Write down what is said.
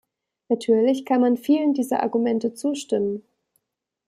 Natürlich kann man vielen dieser Argumente zustimmen.